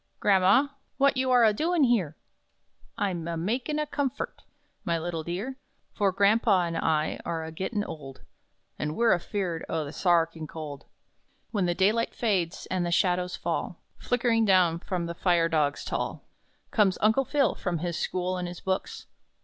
"Gramma, what you are a doin' here?" "I'm a makin' a 'comfort,' my little dear; For grandpa and I are a gittin' old. And we're afeared o' the Sa archin' Cold." When the daylight fades, and the shadows fall Flickering down from the fire dogs tall, Comes Uncle Phil, from his school and his books.